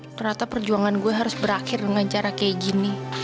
ternyata perjuangan gue harus berakhir dengan cara kayak gini